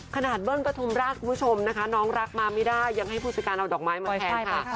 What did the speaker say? เบิ้ลปฐุมราชคุณผู้ชมนะคะน้องรักมาไม่ได้ยังให้ผู้จัดการเอาดอกไม้มาแทนค่ะ